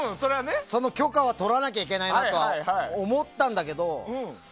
その許可は取らなきゃいけないなとは思ったんだけど。